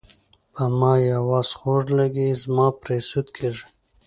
په ما یې اواز خوږ لګي زما پرې سود کیږي.